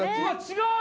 違う。